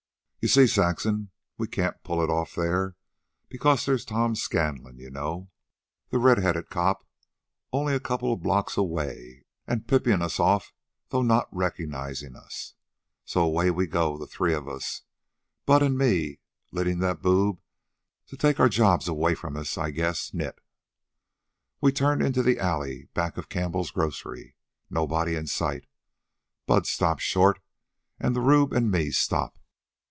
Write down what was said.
"You see, Saxon, we can't pull it off there, because there's Tom Scanlon you know, the red headed cop only a couple of blocks away an' pipin' us off though not recognizin' us. So away we go, the three of us, Bud an' me leadin' that boob to take our jobs away from us I guess nit. We turn into the alley back of Campwell's grocery. Nobody in sight. Bud stops short, and the rube an' me stop.